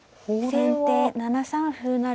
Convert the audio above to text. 先手７三歩成。